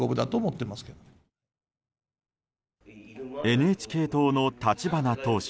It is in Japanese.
ＮＨＫ党の立花党首。